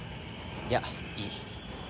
いやいい。